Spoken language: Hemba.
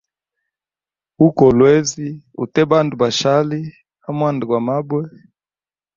U kolwezi ute bandu bashali amwanda gwa mabwe.